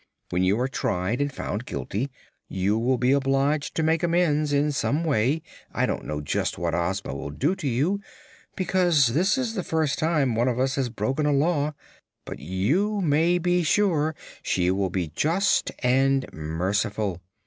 "When you are tried and found guilty, you will be obliged to make amends, in some way. I don't know just what Ozma will do to you, because this is the first time one of us has broken a Law; but you may be sure she will be just and merciful.